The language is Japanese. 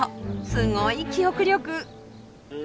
すごい記憶力。